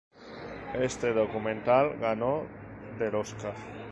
Este documental ganó del Oscar.